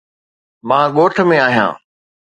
مان ڳوٺ ۾ آهيان.